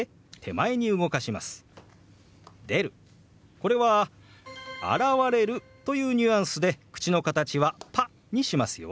これは「現れる」というニュアンスで口の形は「パ」にしますよ。